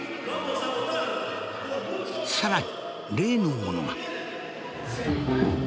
更に例のものが。